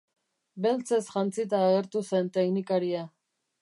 Beltzez jantzita agertu zen teknikaria.